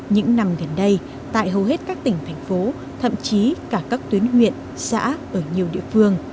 những năm gần đây tại hầu hết các tỉnh thành phố thậm chí cả các tuyến huyện xã ở nhiều địa phương